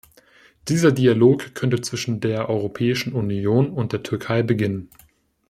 Dieser Dialog könnte zwischen der Europäischen Union und der Türkei beginnen.